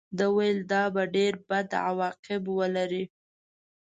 ده ویل دا به ډېر بد عواقب ولري.